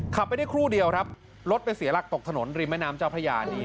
ขับไปได้ครู่เดียวครับรถไปเสียหลักตกถนนริมแม่น้ำเจ้าพระยาดี